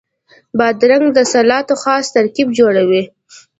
بادرنګ د سلاتو خاص ترکیب جوړوي.